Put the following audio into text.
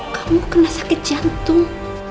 kamu kena sakit jantung